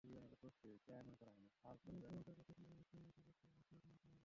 আমি তোমার জায়গায় থাকলে ইংলিশকে নিয়ে খুব একটা মাথা ঘামাতাম না।